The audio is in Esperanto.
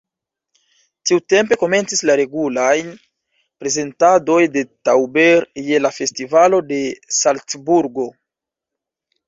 Tiutempe komencis la regulaj prezentadoj de Tauber je la Festivalo de Salcburgo.